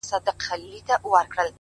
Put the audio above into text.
د کتاب د پاڼو رپېدل د باد کوچنی اثر دی،